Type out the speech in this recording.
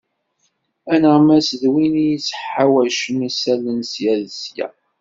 Aneɣmas d win id-yettḥawacen isallen sya d sya.